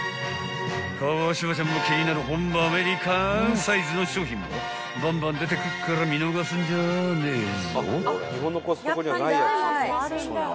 ［川島ちゃんも気になる本場アメリカンサイズの商品もバンバン出てくっから見逃すんじゃねえぞ］